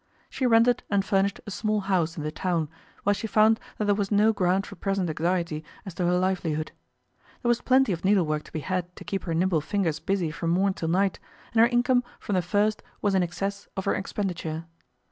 She rented and furnished a small house in the town, where she found that there was no ground for present anxiety as to her livelihood. There was plenty of needlework to be had to keep her nimble fingers busy from morn till night, and her income from the first was in excess of her expenditure.